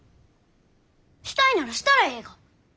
したいならしたらえいが！